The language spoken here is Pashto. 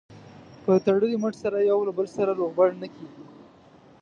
په تړلي مټ سره یو له بل سره روغبړ نه کېږي.